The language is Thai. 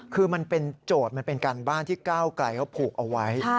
คือมันเป็นโจทย์มันเป็นการบ้านที่ก้าวไกลเขาผูกเอาไว้